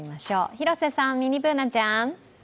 広瀬さん、ミニＢｏｏｎａちゃん。